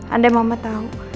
andai mama tahu